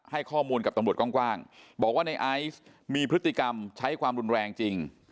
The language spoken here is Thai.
ให้ข้อมูลกับตำรวจกว้างบอกว่าในไอซ์มีพฤติกรรมใช้ความรุนแรงจริง